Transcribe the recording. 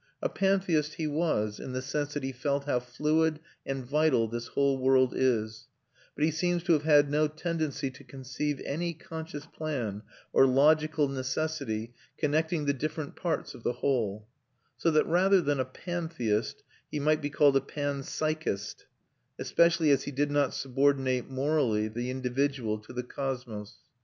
A pantheist he was in the sense that he felt how fluid and vital this whole world is; but he seems to have had no tendency to conceive any conscious plan or logical necessity connecting the different parts of the whole; so that rather than a pantheist he might be called a panpsychist; especially as he did not subordinate morally the individual to the cosmos.